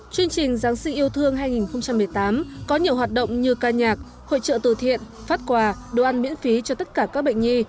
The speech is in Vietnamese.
chương trình giáng sinh yêu thương hai nghìn một mươi tám có nhiều hoạt động như ca nhạc hội trợ từ thiện phát quà đồ ăn miễn phí cho tất cả các bệnh nhi